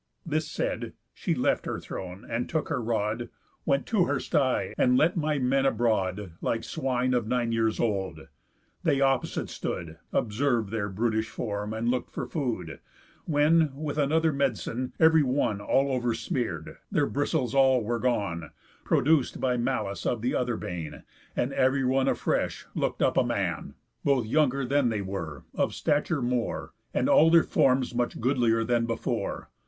This said, she left her throne, and took her rod, Went to her stye, and let my men abroad, Like swine of nine years old. They opposite stood, Observ'd their brutish form, and look'd for food; When, with another med'cine, ev'ry one All over smear'd, their bristles all were gone, Produc'd by malice of the other bane, And ev'ry one, afresh, look'd up a man, Both younger than they were, of stature more, And all their forms much goodlier than before.